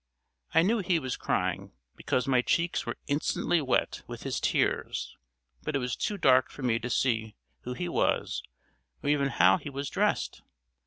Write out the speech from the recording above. I knew he was crying, because my cheeks were instantly wet with his tears; but it was too dark for me to see who he was, or even how he was dressed.